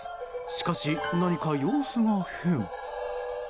しかし、何か様子が変。